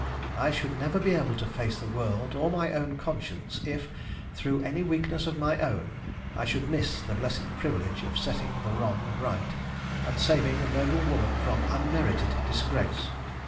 "I should never be able to face the world or my own conscience if, through any weakness of my own, I should miss the blessed privilege of setting the wrong right, and saving a noble woman from unmerited disgrace."